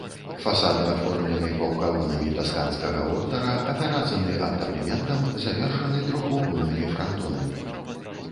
Фасады аформлены паўкалонамі тасканскага ордара, апяразаны антаблементам, завершаны трохвугольнымі франтонамі.